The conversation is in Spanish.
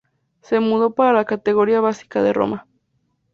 Se mudó para las categorías básicas de Roma.